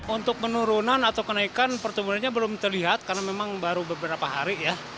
untuk penurunan atau kenaikan pertumbuhannya belum terlihat karena memang baru beberapa hari ya